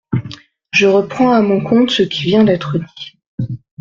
Je reprends à mon compte ce qui vient d’être dit.